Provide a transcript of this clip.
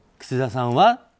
楠田さんは？